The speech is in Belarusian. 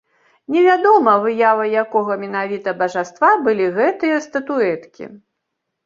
Невядома, выявай якога менавіта бажаства былі гэтыя статуэткі.